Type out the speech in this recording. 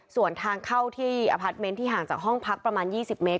ส่วนทางเข้าที่อพาร์ทเมนต์ที่ห่างจากห้องพักประมาณ๒๐เมตร